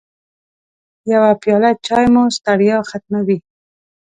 يوه پیاله چای مو ستړیا ختموي.